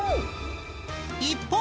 一方。